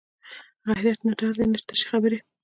غیرت نه ډار دی نه تشه خبرې